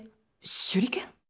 手裏剣？